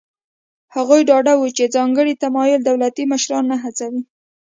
هغوی ډاډه وو چې ځانګړی تمایل دولتي مشران نه هڅوي.